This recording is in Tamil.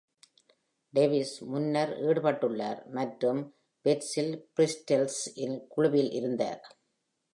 Davis முன்னர் ஈடுபட்டுள்ளார் மற்றும் Wetzel's Pretzels இன் குழுவில் இருந்தார்.